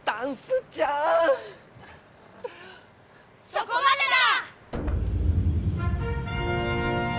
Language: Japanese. そこまでだ！